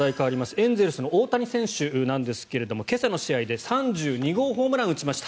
エンゼルスの大谷選手ですけど今朝の試合で３２号ホームランを打ちました。